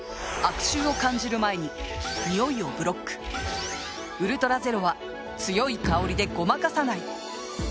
悪臭を感じる前にニオイをブロック「ウルトラゼロ」は強い香りでごまかさない！